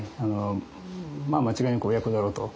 まあ間違いなく親子だろうと。